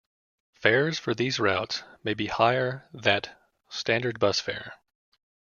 Fares for these routes may be higher that standard bus fare.